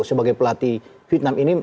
sebagai pelatih vietnam ini